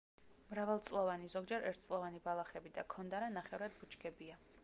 მრავალწლოვანი, ზოგჯერ ერთწლოვანი ბალახები და ქონდარა ნახევრად ბუჩქებია.